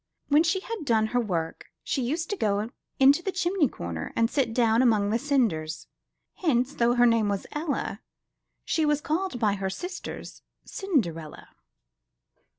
When she had done her work, she used to go into the chimney corner, and sit down among the cinders; hence, though her name was Ella, she was called by her sisters, Cinderella.